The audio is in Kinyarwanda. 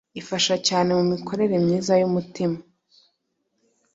Ifasha cyane mu mikorere myiza y’umutima